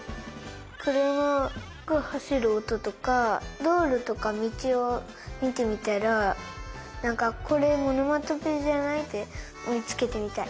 くるまがはしるおととかどうろとかみちをみてみたらなんかこれおのまとぺじゃない？ってみつけてみたい。